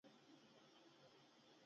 دښتې د معیشت یوه لویه سرچینه ده.